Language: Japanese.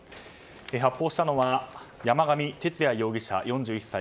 発砲したのは山上徹也容疑者、４１歳。